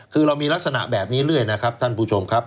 คือเรามีลักษณะแบบนี้เรื่อยนะครับท่านผู้ชมครับ